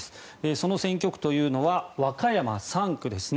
その選挙区というのが和歌山３区ですね。